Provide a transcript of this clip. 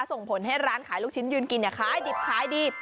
ส่งผลให้ร้านขายลูกชิ้นยืนกินขายดิบขายดี